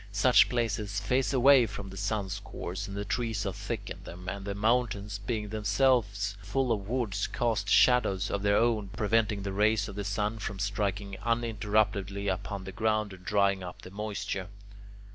Such places face away from the sun's course, and the trees are thick in them, and the mountains, being themselves full of woods, cast shadows of their own, preventing the rays of the sun from striking uninterruptedly upon the ground and drying up the moisture.